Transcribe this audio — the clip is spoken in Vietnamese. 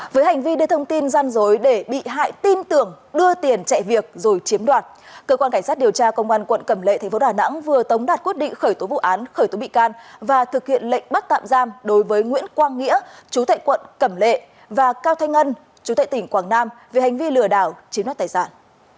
với hành vi đưa thông tin gian dối để bị hại tin tưởng đưa tiền chạy việc rồi chiếm đoạt cơ quan cảnh sát điều tra công an quận cẩm lệ tp đà nẵng vừa tống đạt quyết định khởi tố vụ án khởi tố bị can và thực hiện lệnh bắt tạm giam đối với nguyễn quang nghĩa chú tại quận cẩm lệ và cao thanh ân chú tệ tỉnh quảng nam về hành vi lừa đảo chiếm đoạt tài sản